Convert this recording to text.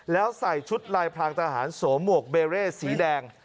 แล้วใส่ชุดลายพรางทหารสวมหมวกเบเร่สีแดง